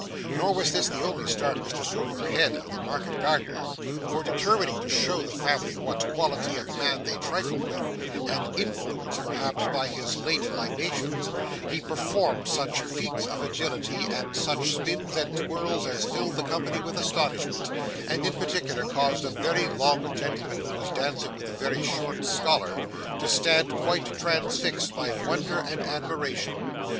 Nor was this the only start Mr Swiveller had of the market gardener, for determining to show the family what quality of man they trifled with, and influenced perhaps by his late libations, he performed such feats of agility and such spins and twirls as filled the company with astonishment, and in particular caused a very long gentleman who was dancing with a very short scholar, to stand quite transfixed by wonder and admiration.